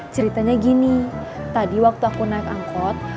ceritanya gini tadi waktu aku naik angkot